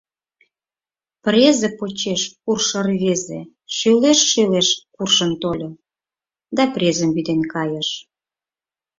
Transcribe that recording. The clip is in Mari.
Презе почеш куржшо рвезе шӱлешт-шӱлешт куржын тольо да презым вӱден кайыш.